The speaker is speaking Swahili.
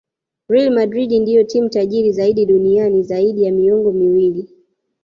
real madrid ndio timu tajiri zaidi duniani zaidi ya miongo miwili